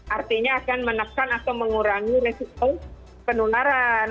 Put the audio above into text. artinya akan menekan atau mengurangi resiko penularan